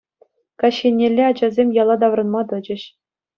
Каҫ еннелле ачасем яла таврӑнма тӑчӗҫ.